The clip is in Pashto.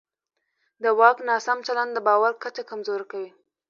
د واک ناسم چلند د باور کچه کمزوری کوي